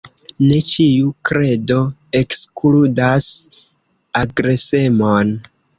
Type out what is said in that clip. Ne ĉiu kredo ekskludas agresemon.